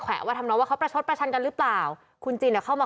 ว่าทำน้องว่าเขาประชดประชันกันหรือเปล่าคุณจินอ่ะเข้ามา